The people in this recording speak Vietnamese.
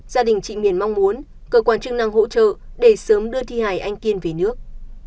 gia đình chị miền mong muốn cơ quan chức năng hỗ trợ để sớm đưa thi hài anh kiên về nước